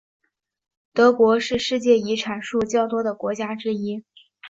德国是世界遗产数较多的国家之一。